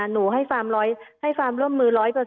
หนูให้ฟาร์มร่วมมือ๑๐๐นะครับ